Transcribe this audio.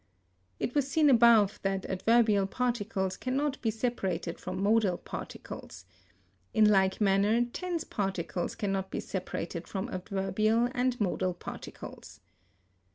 It was seen above that adverbial particles cannot be separated from modal particles. In like manner tense particles cannot be separated from adverbial and modal particles.